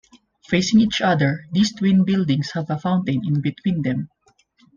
Facing each other, these twin buildings have a fountain in between them.